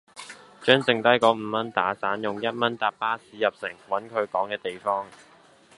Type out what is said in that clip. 將淨低果五蚊打散，用一蚊搭巴士入城，搵佢講既地方。